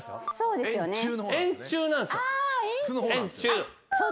円柱なんすよ。